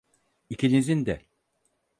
İkinizin de.